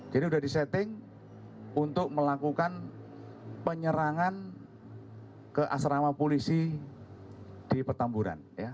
jadi sudah disetting untuk melakukan penyerangan ke asrama polisi di petamburan